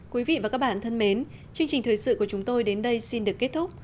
quý vị và các bạn thân mến chương trình thời sự của chúng tôi đến đây xin được kết thúc